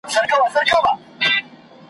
د فرهنګ او تمدن مرکز ویرژلي هرات ته! `